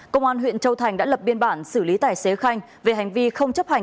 công an huyện châu thành đã lập biên bản xử lý tài xế khanh về hành vi không chấp hành